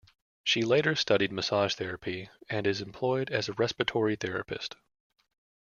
She later studied massage therapy and is employed as a respiratory therapist.